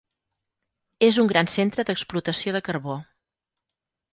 És un gran centre d'explotació de carbó.